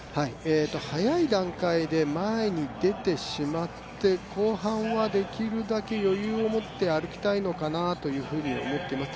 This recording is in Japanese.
早い段階で前に出てしまって後半はできるだけ余裕をもって歩きたいのかなというふうに思ってます。